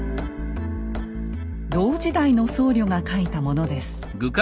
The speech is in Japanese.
同時代の僧侶が書いたものです。